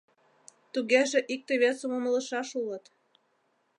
Тугеже икте-весым умылышаш улыт.